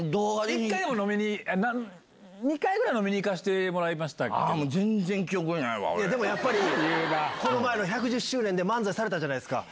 １回も、飲みに、２回ぐらいもう全然記憶にないわ、でもやっぱり、この前の１１０周年で漫才されたじゃないですか。